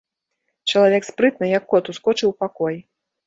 Чалавек спрытна, як кот, ускочыў у пакой.